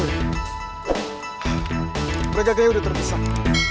perjalanannya udah terpisah